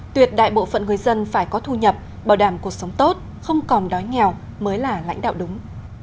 tuyệt đại bộ phận người dân phải có thu nhập bảo đảm cuộc sống tốt không còn đói nghèo mới là lãnh đạo đúng